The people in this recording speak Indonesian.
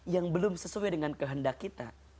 yang belum sesuai dengan kehendak kita